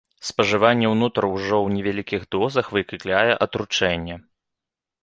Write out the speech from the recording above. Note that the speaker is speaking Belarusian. Спажыванне ўнутр ўжо ў невялікіх дозах выклікае атручэнне.